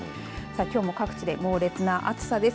きょうも各地で猛烈な暑さです。